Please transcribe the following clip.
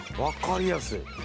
わかりやすい。